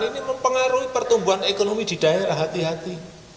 ini mempengaruhi pertumbuhan ekonomi di daerah hati hati